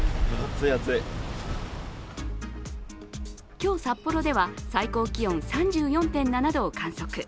今日、札幌では最高気温３４．７度を観測。